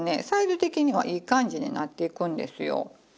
サイズ的にはいい感じになっていくんですよ。